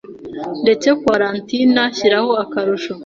ndetse kuwa Valentine nshyiraho akarusho